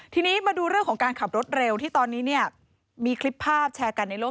ทีนี้มาดูเรื่องของการขับรถเร็วที่ตอนนี้เนี่ยมีคลิปภาพแชร์กันในโลก